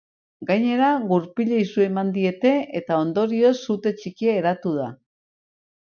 Gainera, gurpilei su eman diete, eta ondorioz sute txikia eratu da.